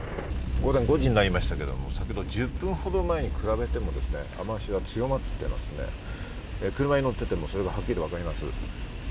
午前５時になりましたけれども、１０分ほど前に比べても雨脚が強まっていまして、車に乗っていてもそれがはっきりとわかります。